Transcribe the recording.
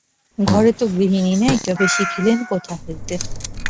ঘরে তো গৃহিনী নাই, তবে শিখিলেন কোথা হইতে।